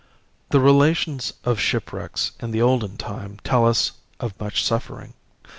"... The relations of shipwrecks in the olden time tell us of much suffering.